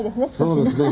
そうですね。